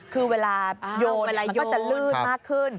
คือเวลาโยนมันก็จะลื่นมากขึ้น